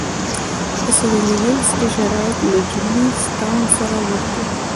په سوېلي ویلز کې شرایط له جېمز ټاون سره ورته و.